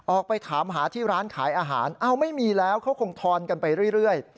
ออกไปถามหาที่ร้านขายอาหารเอ้าไม่มีแล้วเขาคงทอนกันไปเรื่อย